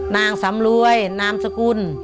นางสำรวยนามสกุล